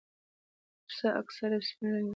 پسه اکثره سپین رنګه وي.